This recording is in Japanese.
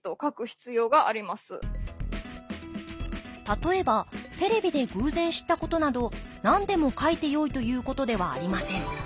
例えばテレビで偶然知ったことなど何でも書いてよいということではありません。